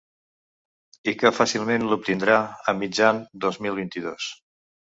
I que fàcilment l’obtindrà a mitjan dos mil vint-i-dos.